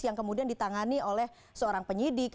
yang kemudian ditangani oleh seorang penyidik